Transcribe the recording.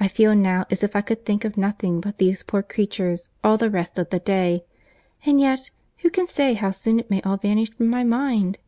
—I feel now as if I could think of nothing but these poor creatures all the rest of the day; and yet, who can say how soon it may all vanish from my mind?"